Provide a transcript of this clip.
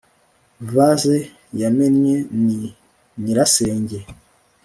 Vase yamennye ni nyirasenge